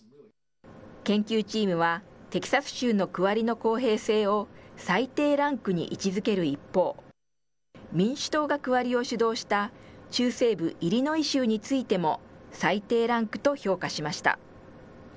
研究チームは、テキサス州の区割りの公平性を最低ランクに位置づける一方、民主党が区割りを主導した中西部イリノイ州についても、最低ランクと評価しました。